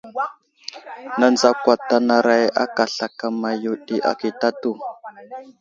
Nənzakwatanaray aka slakama yo ɗi akitatu.